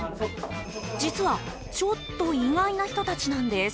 実はちょっと意外な人たちなんです。